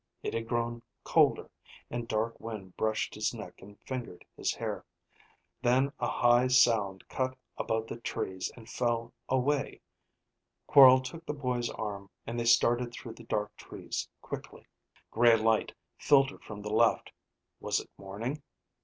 It had grown colder, and dark wind brushed his neck and fingered his hair. Then a high sound cut above the trees and fell away. Quorl took the boy's arm and they started through the dark trees quickly. Gray light filtered from the left. Was it morning?